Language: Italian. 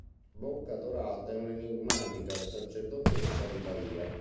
Bocca Dorata è un'enigmatica sacerdotessa di Bahia.